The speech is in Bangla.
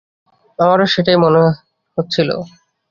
আমারো সেটাই মনে হচ্ছিল।